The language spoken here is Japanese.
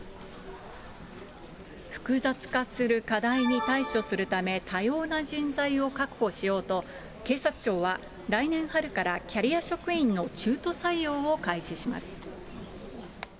複雑化する課題に対処するため、多様な人材を確保しようと、警察庁は来年春からキャリア職員の中途採用を開始します。